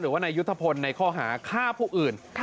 หรือว่านายยุทธพลในข้อหาฆ่าผู้อื่น